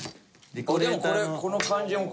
でもこれこの感じも。